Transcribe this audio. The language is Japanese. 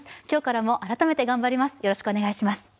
今日からも改めて頑張ります。